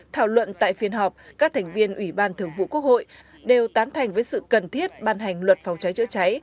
thảo luận tại phiên họp các thành viên ủy ban thường vụ quốc hội đều tán thành với sự cần thiết ban hành luật phòng cháy chữa cháy